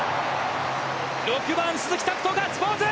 ６番鈴木拓斗、ガッツポーズ！